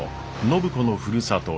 暢子のふるさと